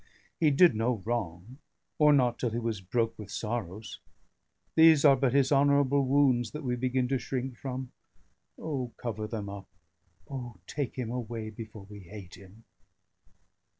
He did no wrong, or not till he was broke with sorrows; these are but his honourable wounds that we begin to shrink from. O cover them up, O take him away, before we hate him!"